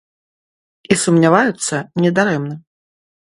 І сумняваюцца не дарэмна.